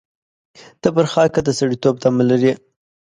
ته پر خاکه د سړېتوب تمه لرې.